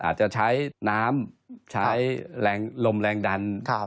อาจจะใช้น้ำใช้แรงลมแรงดัน